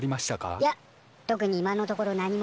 いや特に今のところ何もなしだ。